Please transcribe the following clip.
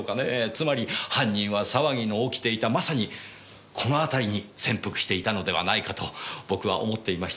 つまり犯人は騒ぎの起きていたまさにこの辺りに潜伏していたのではないかと僕は思っていました。